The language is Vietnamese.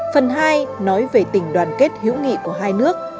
phần hai nói về tình đoàn kết hữu nghị của hai nước